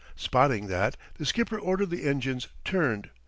Spotting that, the skipper ordered the engines turned.